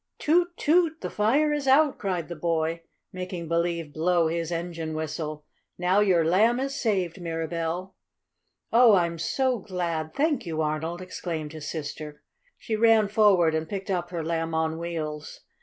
"Toot! Toot! The fire is out!" cried the boy, making believe blow his engine whistle. "Now your Lamb is saved, Mirabell." "Oh, I'm so glad! Thank you, Arnold!" exclaimed his sister. She ran forward and picked up her Lamb on Wheels.